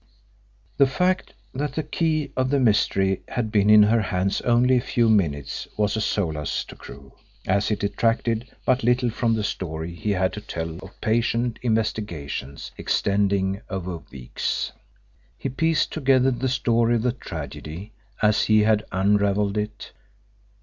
The fact that the key of the mystery had been in her hands only a few minutes was a solace to Crewe, as it detracted but little from the story he had to tell of patient investigations extending over weeks. He pieced together the story of the tragedy as he had unravelled it.